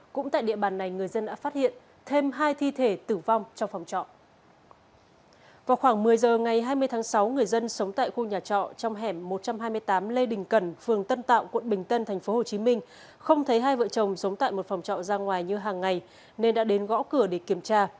không thấy hai vợ chồng sống tại một phòng trọ ra ngoài như hàng ngày nên đã đến gõ cửa để kiểm tra